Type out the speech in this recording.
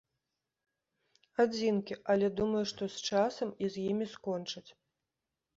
Адзінкі, але, думаю, што з часам і з імі скончаць.